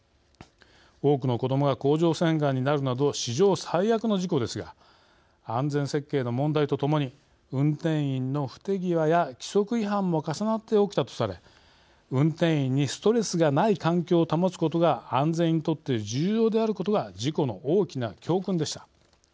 多くの子どもが甲状腺がんになるなど史上最悪の事故ですが安全設計の問題とともに運転員の不手際や規則違反も重なって起きたとされ運転員にストレスがない環境を保つことが安全にとって重要であることが事故の大きな教訓でした。